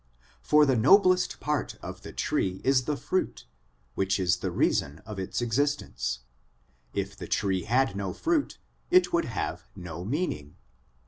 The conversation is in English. For the noblest part of the tree is the fruit, which is the reason of its existence ; if the tree had no fruit, it would have no meaning.